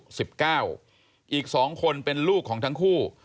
ผู้โตเป็นลูกของ๒คนเป็นลูกของทั้งคู่